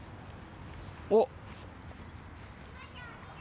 おっ。